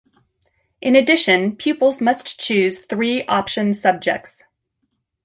In addition pupils must choose three option subjects.